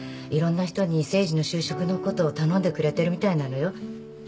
いろんな人に誠治の就職のこと頼んでくれてるみたいなのよ。